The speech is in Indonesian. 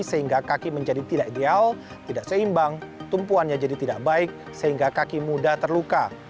sehingga kaki menjadi tidak ideal tidak seimbang tumpuannya jadi tidak baik sehingga kaki muda terluka